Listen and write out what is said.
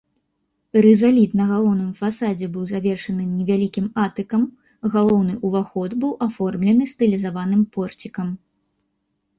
Рызаліт на галоўным фасадзе быў завершаны невялікім атыкам, галоўны ўваход быў аформлены стылізаваным порцікам.